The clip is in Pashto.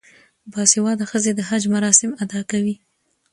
باسواده ښځې د حج مراسم ادا کوي.